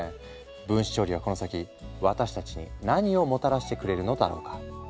分子調理はこの先私たちに何をもたらしてくれるのだろうか？